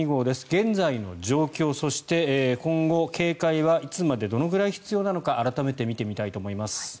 現在の状況そして今後、警戒はいつまで、どのくらい必要なのか改めて見てみたいと思います。